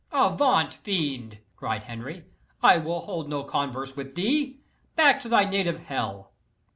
"Avaunt, fiend!" cried Henry. "I will hold no converse with thee. Back to thy native hell!"